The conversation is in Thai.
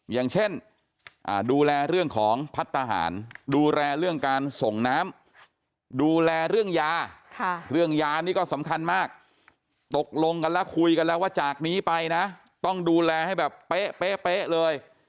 อย่างเช่นดูแลเรื่องของพัฒนาหารดูแลเรื่องการส่งน้ำดูแลเรื่องยาเรื่องยานี่ก็สำคัญมากตกลงกันแล้วคุยกันแล้วว่าจากนี้ไปนะต้องดูแลให้แบบเป๊ะเลย